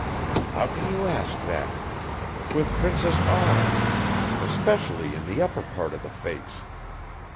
"How can you ask that? With Princess R . Especially in the upper part of the face.